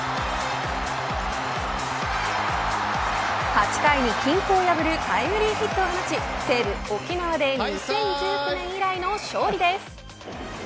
８回に均衡を破るタイムリーヒットを放ち西武、沖縄で２０１９年以来の勝利です。